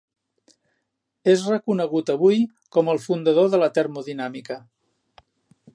És reconegut avui com el fundador de la termodinàmica.